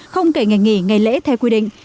không kể ngày nghỉ ngày lễ theo quy định